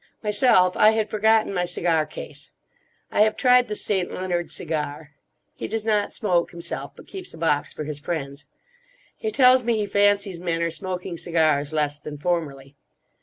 Myself I had forgotten my cigar case. I have tried the St. Leonard cigar. He does not smoke himself; but keeps a box for his friends. He tells me he fancies men are smoking cigars less than formerly.